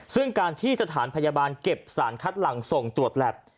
ซึ่งการที่สถานพยาบาลเก็บสารคัดหลังส่งตรวจแล็บ